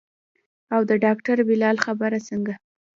او د ډاکتر بلال خبره څنګه.